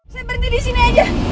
saya berhenti disini aja